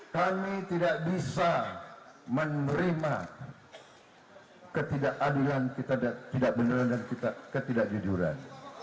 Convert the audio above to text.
kami tidak bisa menerima ketidakadilan ketidakbenaran dan ketidakjujuran